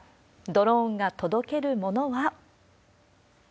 ドローンが届けるものは。